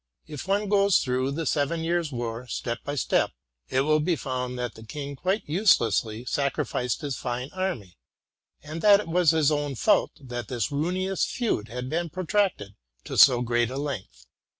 If one goes through the Seven Years' War, step by step, it will be found that the king quite uselessly sacrificed his fine army, and that it was his own fault that this ruinous feud had been protracted to so great a length.